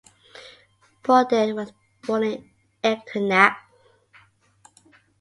Boden was born in Echternach.